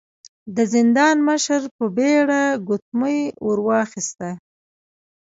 د زندان مشر په بيړه ګوتمۍ ور واخيسته.